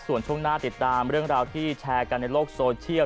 ส่วนช่วงหน้าติดตามเรื่องราวที่แชร์กันในโลกโซเชียล